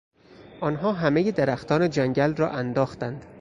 آنها همهی درختان جنگل را انداختند.